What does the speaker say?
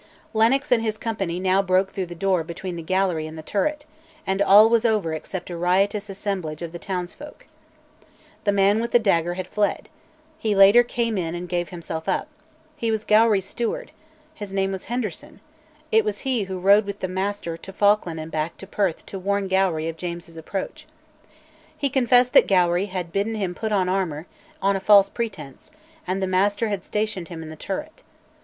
Lennox and his company now broke through the door between the gallery and the turret, and all was over except a riotous assemblage of the town's folk. The man with the dagger had fled: he later came in and gave himself up; he was Gowrie's steward; his name was Henderson; it was he who rode with the Master to Falkland and back to Perth to warn Gowrie of James's approach. He confessed that Gowrie had then bidden him put on armour, on a false pretence, and the Master had stationed him in the turret.